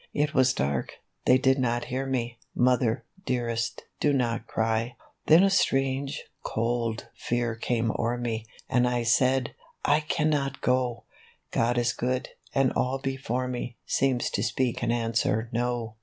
It was dark, they did not hear me; Mother, dearest, do not cry !" Then a strange, cold, fear came o'er me, And I said, ' I cannot go !' God is good, and all before me Seems to speak and answer no!